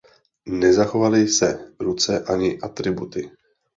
Nezachovaly se ruce ani atributy.